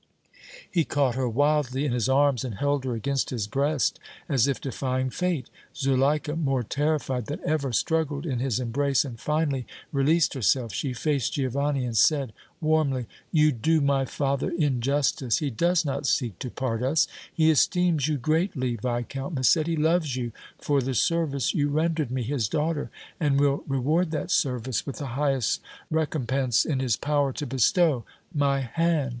He caught her wildly in his arms and held her against his breast as if defying fate. Zuleika, more terrified than ever, struggled in his embrace and finally released herself. She faced Giovanni, and said, warmly: "You do my father injustice. He does not seek to part us. He esteems you greatly, Viscount Massetti, loves you for the service you rendered me, his daughter, and will reward that service with the highest recompense in his power to bestow my hand.